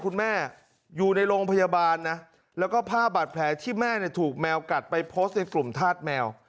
คุณแม่อยู่ในโรงพยาบาลนะแล้วก็ภาพบาดแผลที่แม่เนี่ยถูกแมวกัดไปโพสต์ในกลุ่มธาตุแมว